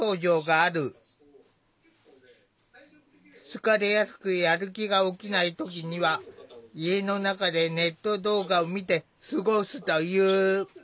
疲れやすくやる気が起きない時には家の中でネット動画を見て過ごすという。